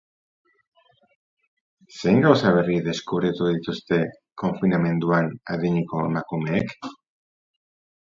Zein gauza berri deskubritu dituzte konfinamenduan adineko emakumeek?